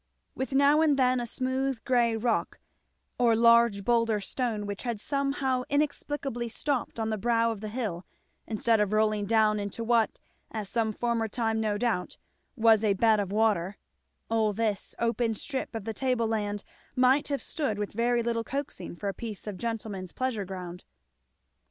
With now and then a smooth grey rock, or large boulder stone which had somehow inexplicably stopped on the brow of the hill instead of rolling down into what at some former time no doubt was a bed of water, all this open strip of the table land might have stood with very little coaxing for a piece of a gentleman's pleasure ground.